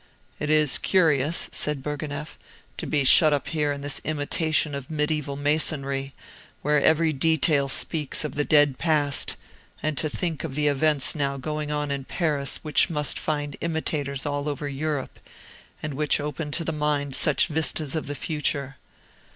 "It is curious," said Bourgonef, "to be shut up here in this imitation of medieval masonry, where every detail speaks of the dead past, and to think of the events now going on in Paris which must find imitators all over Europe, and which open to the mind such vistas of the future.